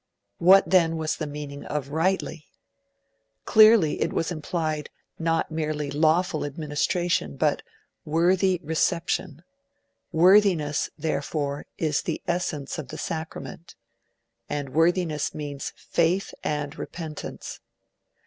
What, then, was the meaning of 'rightly'? Clearly it implied not merely lawful administration, but worthy reception; worthiness, therefore, is the essence of the sacrament; and worthiness means faith and repentance.